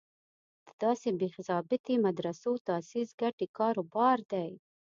د داسې بې ضابطې مدرسو تاسیس ګټې کار و بار دی.